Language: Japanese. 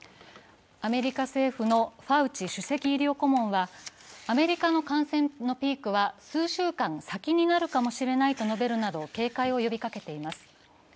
アメリカ政府のファウチ首席医療顧問はアメリカの感染のピークは数週間先になるかもしれないなど警戒を呼びかけています。